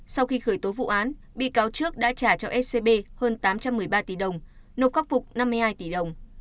sau khi khởi tố vụ án bị cáo trước đã trả cho scb hơn tám trăm một mươi ba tỷ đồng nộp khắc phục năm mươi hai tỷ đồng